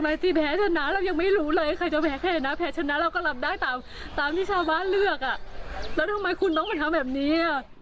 แล้วทำไมคุณต้องไปทำแบบนี้อ่ะ